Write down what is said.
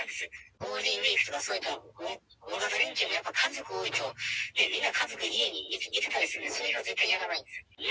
ゴールデンウィークとか大型連休も家族多いと、みんな家族家にいてたりするんで、そういうときは絶対やらないんですよ。